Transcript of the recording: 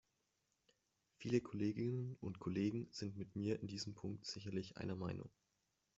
Viele Kolleginnen und Kollegen sind mit mir in diesem Punkt sicherlich einer Meinung.